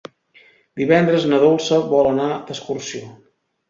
Divendres na Dolça vol anar d'excursió.